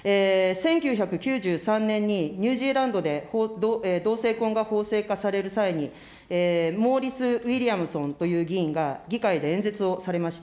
１９９３年にニュージーランドで同性婚が法制化される際に、モーリス・ウィリアムソンという議員が議会で演説をされました。